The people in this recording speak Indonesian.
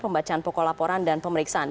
pembacaan pokok laporan dan pemeriksaan